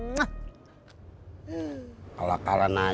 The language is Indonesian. kalau kalah nanya lo